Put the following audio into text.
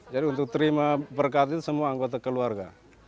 jadi untuk terima berkat itu semua anggota keluarga